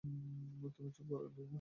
তুমি চুপ করো, ড্যানি।